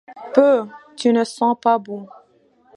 Peuh ! tu ne sens pas bon.